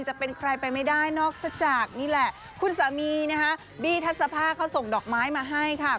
จะเป็นใครไปไม่ได้นอกจากนี่แหละคุณสามีนะคะบี้ทัศภาเขาส่งดอกไม้มาให้ค่ะ